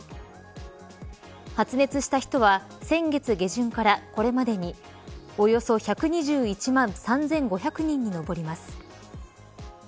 発熱した人は先月下旬から、これまでにおよそ１２１万３５００人にのぼります。